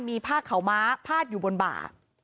มีผ้าขาวม้าพาดอยู่บนบ่า